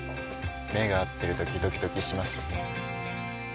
「目が合ってる時ドキドキします」。